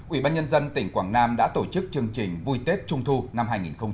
ủy ban nhân dân tỉnh quảng nam đã tổ chức chương trình vui tết trung thu năm hai nghìn hai mươi